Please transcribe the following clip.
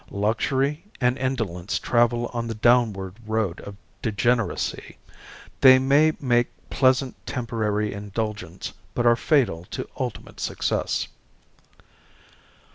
Luxury and indolence travel on the downward road of degeneracy. They may make pleasant temporary indulgence, but are fatal to ultimate success.